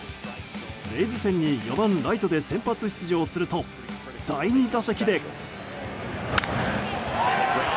レイズ戦に４番ライトで先発出場すると第２打席で。